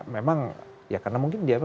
memang ya karena mungkin dia